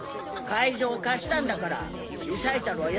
会場を貸したんだからリサイタルはやってもらうよ。